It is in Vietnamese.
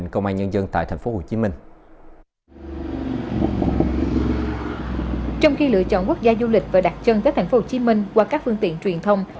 khi lựa chọn quốc gia du lịch và đặt chân tới thành phố hồ chí minh qua các phương tiện truyền thông